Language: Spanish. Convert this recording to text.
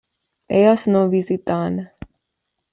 Ellas no visitan